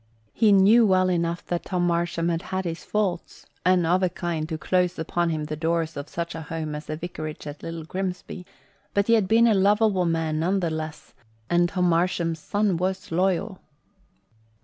He knew well enough that Tom Marsham had had his faults, and of a kind to close upon him the doors of such a home as the vicarage at Little Grimsby; but he had been a lovable man none the less and Tom Marsham's son was loyal.